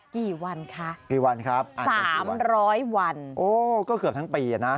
กี่วันคะสามร้อยวันโอ้ก็เกือบทั้งปีนะ